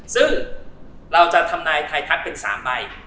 ซึ่งเราจะทำนายไทยทักเป็น๓ใบ